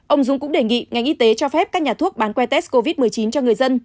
ông dung cũng đề nghị ngành y tế cho phép các nhà thuốc bán que test covid một mươi chín cho người dân